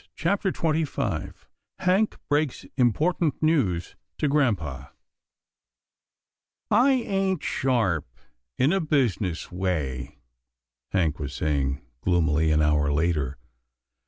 CHAPTER XXV HANK BREAKS IMPORTANT NEWS TO GRAMPA " I AiN^T sharp in a business way," Hank was saying gloomily an hour later.